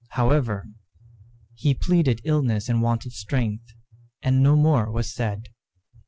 However, he pleaded illness and want of strength, and no more was said.